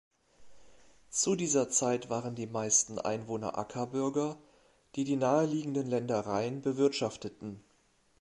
Zu dieser Zeit waren die meisten Einwohner Ackerbürger, die die nahe liegenden Ländereien bewirtschafteten.